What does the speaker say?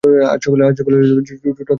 আজ সকালে ছোট্ট থান্ডারকে দেখেছি।